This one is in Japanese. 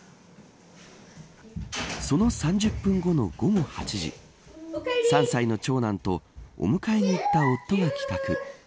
その３０分後の午後８時３歳の長男とお迎えに行った夫が帰宅。